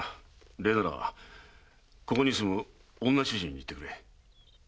礼ならここに住む女主人に言ってくれ。